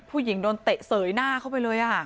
ผู้หญิงโดนเตะเสยหน้าเข้าไปเลยอะ